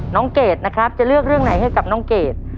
เกดนะครับจะเลือกเรื่องไหนให้กับน้องเกด